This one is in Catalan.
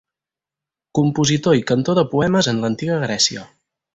Compositor i cantor de poemes en l'antiga Grècia.